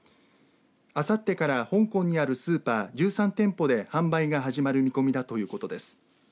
あさってから香港にあるスーパー１３店舗で販売が始まる見込みだということです。